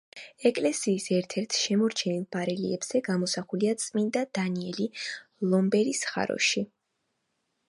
ეკლესიის ერთ-ერთ შემორჩენილ ბარელიეფზე გამოსახულია წმინდა დანიელი ლომების ხაროში.